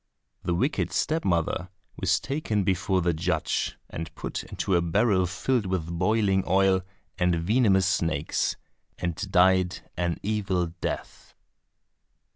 The wicked step mother was taken before the judge, and put into a barrel filled with boiling oil and venomous snakes, and died an evil death.